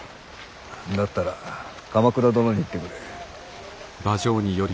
だったら鎌倉殿に言ってくれ。